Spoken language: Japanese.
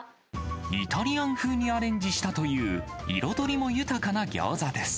イタリアン風にアレンジしたという彩りも豊かなギョーザです。